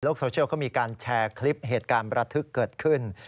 โซเชียลเขามีการแชร์คลิปเหตุการณ์ประทึกเกิดขึ้น